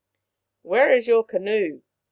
" Where is your canoe ?